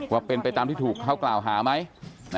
ว่าเป็นไปตามที่ถูกเขากล่าวหาไหม